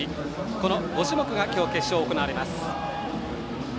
この５種目の今日、決勝が行われます。